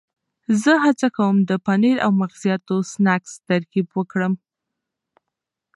زه هڅه کوم د پنیر او مغزیاتو سنکس ترکیب وکړم.